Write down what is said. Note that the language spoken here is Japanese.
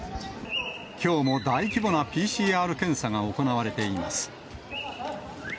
きょうも大規模なＰＣＲ検査が行われています。